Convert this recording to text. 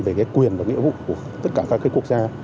về quyền và nghĩa vụ của tất cả các quốc gia